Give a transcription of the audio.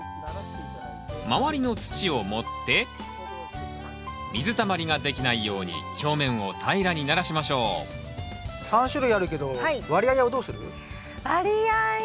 周りの土を盛って水たまりができないように表面を平らにならしましょう３種類あるけど割合はどうする？割合